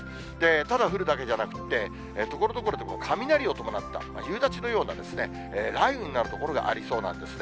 ただ降るだけじゃなくて、ところどころで雷を伴った夕立のような雷雨になる所がありそうなんですね。